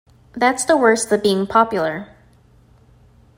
That's the worst of being popular.